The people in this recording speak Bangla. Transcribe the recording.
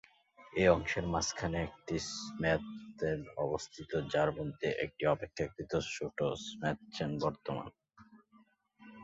এই অংশের মাঝখানে একটি ম্ছোদ-র্তেন অবস্থিত যার মধ্যে একটি অপেক্ষাকৃত ছোট ম্ছোদ-র্তেন বর্তমান।